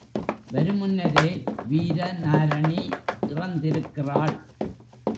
வருமுன்னரே வீரநாரணி இறந்திருக்கிறாள்.